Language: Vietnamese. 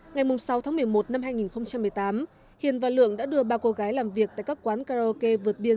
ngày sáu tháng một mươi một năm hai nghìn một mươi tám hiền và lượng đã đưa ba cô gái làm việc tại các quán karaoke vượt biên